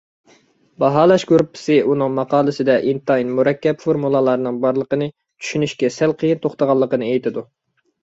باھالاش گۇرۇپپىسى ئۇنىڭ ماقالىسىدە ئىنتايىن مۇرەككەپ فورمۇلالارنىڭ بارلىقىنى، چۈشىنىشكە سەل قىيىن توختىغانلىقىنى ئېيتىدۇ.